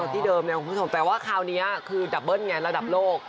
แต่ว่าคราวนี้คือดับเบิ้ลระดับโลก